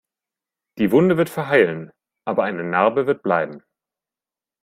Die Wunde wird verheilen, aber eine Narbe wird bleiben.